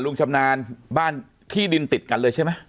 ชำนาญบ้านที่ดินติดกันเลยใช่ไหม